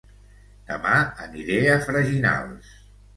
Dema aniré a Freginals